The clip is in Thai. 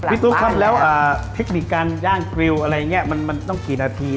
ตุ๊กครับแล้วเทคนิคการย่างกริวอะไรอย่างนี้มันต้องกี่นาที